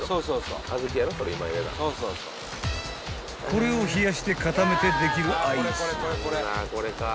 ［これを冷やして固めてできるアイス］